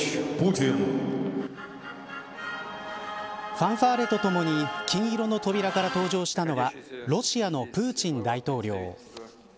ファンファーレとともに金色の扉から登場したのはロシアのプーチン大統領。